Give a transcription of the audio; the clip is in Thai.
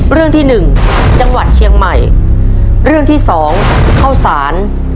เรื่องที่หนึ่งจังหวัดเชียงใหม่เรื่องที่สองเข้าสาร